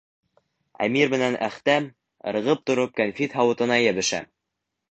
Әмир менән Әхтәм ырғып тороп кәнфит һауытына йәбешә.